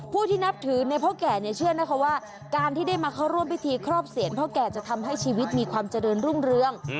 ผู้ที่นับถือในพ่อแก่เนี่ยเชื่อนะคะว่าการที่ได้มาเข้าร่วมพิธีครอบเสียรพ่อแก่จะทำให้ชีวิตมีความเจริญรุ่งเรือง